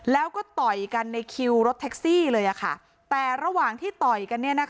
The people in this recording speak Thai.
แล้วก็ต่อยกันในคิวรถแท็กซี่เลยอะค่ะแต่ระหว่างที่ต่อยกันเนี่ยนะคะ